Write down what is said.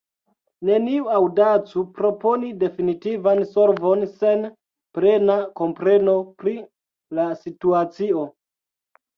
Neniu aŭdacu proponi definitivan solvon sen plena kompreno pri la situacio.